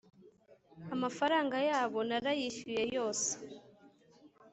amafaranga yabo narayishyuye yose